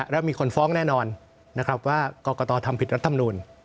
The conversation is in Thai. แล้วมีคนฟ้องแน่นอนว่ากรกตทำผิดรัฐธรรมนูล